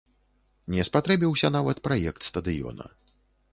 Не спатрэбіўся нават праект стадыёна.